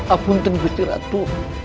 apunten gusti ratu